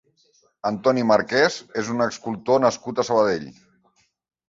Antoni Marquès és un escultor nascut a Sabadell.